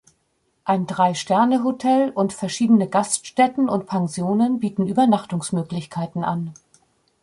Ein Drei-Sterne-Hotel und verschiedene Gaststätten und Pensionen bieten Übernachtungsmöglichkeiten an.